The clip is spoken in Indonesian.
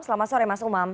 selamat sore mas umam